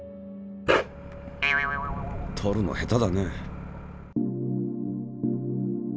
とるの下手だね。